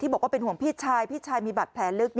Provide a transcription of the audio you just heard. บอกว่าเป็นห่วงพี่ชายพี่ชายมีบัตรแผลลึก